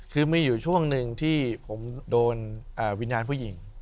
คือมีอยู่ช่วงหนึ่งที่ผมโดนวิญญาณผู้หญิง